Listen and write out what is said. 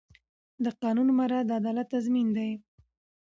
د قانون مراعات د عدالت تضمین دی.